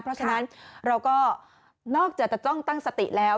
เพราะฉะนั้นเราก็นอกจากจะจ้องตั้งสติแล้ว